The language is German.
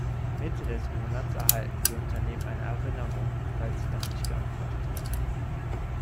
Mitte des Monats erhalten die Unternehmen eine Erinnerung, falls sie noch nicht geantwortet haben.